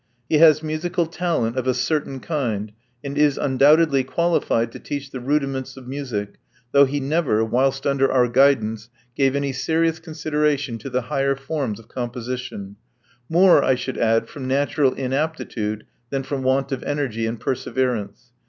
He has musical talent of a certain kind, and is undoubtedly qualified to teach the rudiments of music, though he never, whilst under our guidance, gave any serious consideration to the higher forms of composition — more, I should add, from natural inaptitude than from want of energy and perseverance.